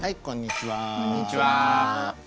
こんにちは。